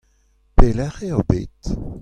Pelec'h eo bet ?